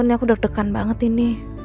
ya allah aku deg degan banget ini